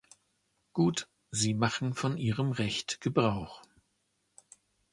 Gut, Sie machen von Ihrem Recht Gebrauch.